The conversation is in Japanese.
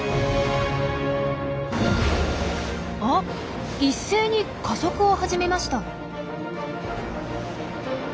あっ一斉に加速を始めました！